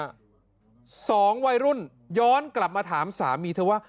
สองวัยรุ่นย้อนกลับมาถามสามีเธอว่า